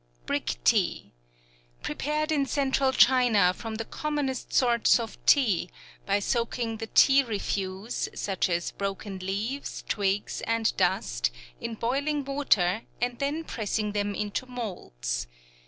Brick Tea prepared in Central China from the commonest sorts of tea, by soaking the tea refuse, such as broken leaves, twigs, and dust, in boiling water and then pressing them into moulds.